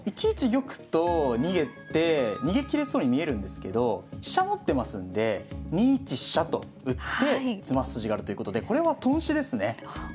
１一玉と逃げて逃げきれそうに見えるんですけど飛車持ってますんで２一飛車と打って詰ます筋があるということでこれは頓死ですね。